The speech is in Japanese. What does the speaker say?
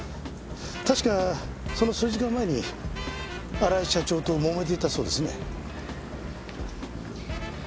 確かその数時間前に荒井社長ともめていたそうですね。